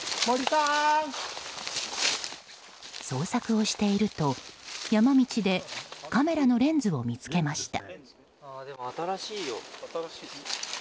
捜索をしていると山道でカメラのレンズを見つけました。